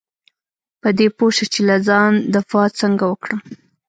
په دې پوه شه چې له ځان دفاع څنګه وکړم .